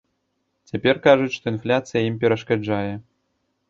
Цяпер кажуць, што інфляцыя ім перашкаджае.